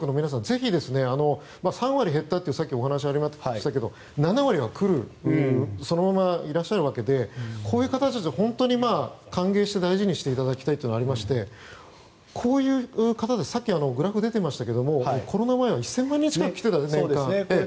ぜひ、３割減ったというお話がありましたけど７割は来る、そのままいらっしゃるわけでこういう方々を本当に歓迎して大事にしていただきたいというのはありましてこういう方たちさっきグラフが出ていましたがコロナ前は１０００万近くいました。